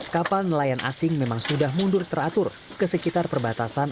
kapal nelayan asing memang sudah mundur teratur ke sekitar perbatasan